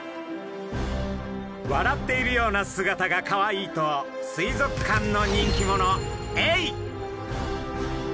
笑っているような姿がかわいいと水族館の人気者エイ。